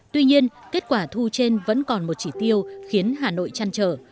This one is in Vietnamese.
tuy nhiên kết quả thu trên vẫn còn một chỉ tiêu khiến hà nội chăn trở